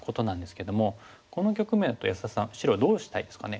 この局面は安田さん白はどうしたいですかね？